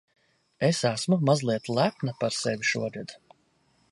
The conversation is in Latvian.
Es esmu mazliet lepna par sevi šogad.